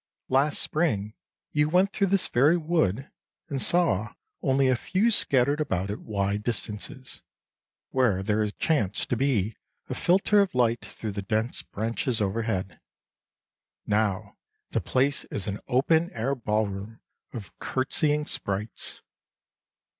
Last spring you went through this very wood and saw only a few scattered about at wide distances, where there chanced to be a filter of light through the dense branches overhead. Now the place is an open air ball room of curtesying sprites.